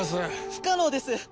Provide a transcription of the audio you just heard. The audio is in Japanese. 不可能です！